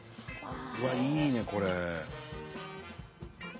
うわっいいねこれ。